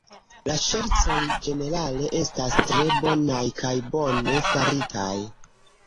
La ŝercoj ĝenerale estas tre bonaj, kaj bone faritaj.